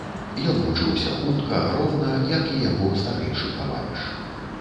Ён вучыўся хутка, роўна як і яго старэйшы таварыш.